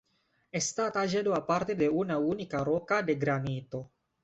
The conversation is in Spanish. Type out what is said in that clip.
Está tallado a partir de una única roca de granito.